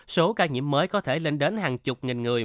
số ca nhiễm mới có thể lên đến hàng chục nghìn người